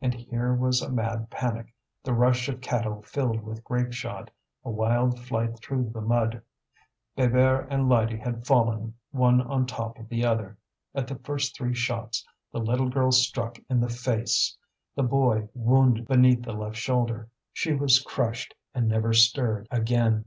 And here was a mad panic, the rush of cattle filled with grapeshot, a wild flight through the mud. Bébert and Lydie had fallen one on top of the other at the first three shots, the little girl struck in the face, the boy wounded beneath the left shoulder. She was crushed, and never stirred again.